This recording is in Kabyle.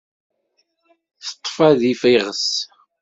Teṭṭef-d adif iɣes.